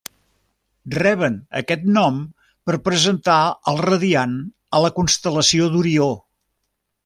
Reben aquest nom per presentar el radiant a la constel·lació d'Orió.